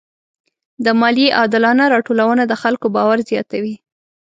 د مالیې عادلانه راټولونه د خلکو باور زیاتوي.